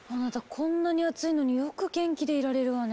こんなに暑いのによく元気でいられるわね。